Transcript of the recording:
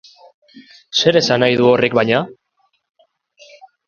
Zer esan nahi du horrek baina?